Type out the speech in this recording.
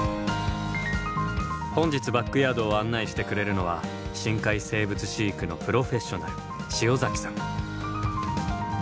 本日バックヤードを案内してくれるのは深海生物飼育のプロフェッショナル塩崎さん。